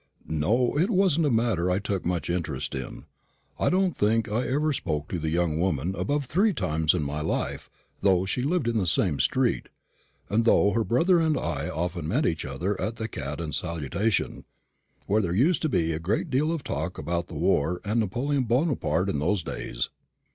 "No. It wasn't a matter I took much interest in. I don't think I ever spoke to the young woman above three times in my life, though she lived in the same street, and though her brother and I often met each other at the Cat and Salutation, where there used to be a great deal of talk about the war and Napoleon Bonaparte in those days."